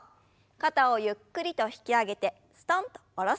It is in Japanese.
肩をゆっくりと引き上げてすとんと下ろす運動からです。